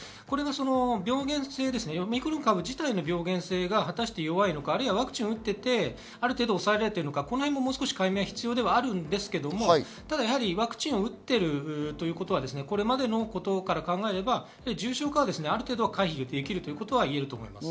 病原性、オミクロン株自体の病原性が果たして弱いのか、ワクチン打っていてある程度抑えられているのか、解明が必要ですが、やはりワクチンを打っているということは、これまでのことから考えれば重症化はある程度回避できるということは言えると思います。